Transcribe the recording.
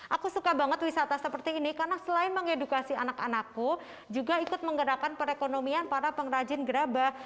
aku suka banget wisata seperti ini karena selain mengedukasi anak anakku juga ikut menggerakkan perekonomian para pengrajin gerabah